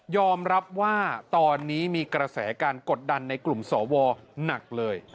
รับว่าตอนนี้มีกระแสการกดดันในกลุ่มสวหนักเลย